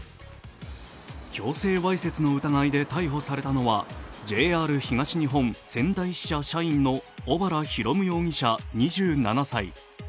強制わいせつの疑いで逮捕されたのはＪＲ東日本仙台支社社員の小原広夢容疑者２７歳。